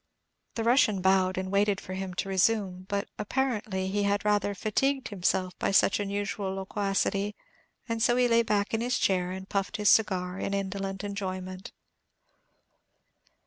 The Russian bowed, and waited for him to resume; but, apparently, he had rather fatigued himself by such unusual loquacity, and so he lay back in his chair, and puffed his cigar in indolent enjoyment.